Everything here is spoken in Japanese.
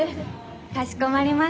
かしこまりました。